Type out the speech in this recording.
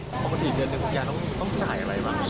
ประมาณ๔เดือนต้องจ่ายอะไรบ้าง